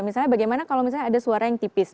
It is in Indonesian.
misalnya bagaimana kalau misalnya ada suara yang tipis